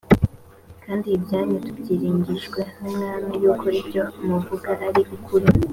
kandi ibyanyu tubyiringijwe n’umwami yuko ibyo muvuga ari ukuri